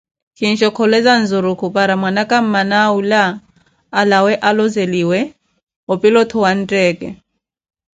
Kinshokoleza nzurukhu para mwanaka amana awula, alawe alozeliwe opilottho wa ntteeke.